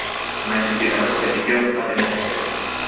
Máis metida na competición a tenista checa.